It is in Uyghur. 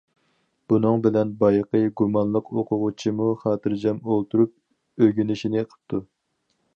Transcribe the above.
بۇنىڭ بىلەن بايىقى گۇمانلىق ئوقۇغۇچىمۇ خاتىرجەم ئولتۇرۇپ ئۆگىنىشىنى قىپتۇ.